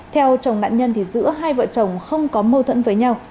theo chồng nạn nhân thì giữa hai vợ chồng không có mâu thuẫn với nhau